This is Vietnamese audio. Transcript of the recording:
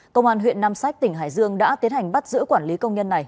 công an huyện nam sách tỉnh hải dương đã tiến hành bắt giữ quản lý công nhân này